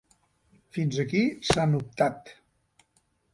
Fins aquí sant Optat.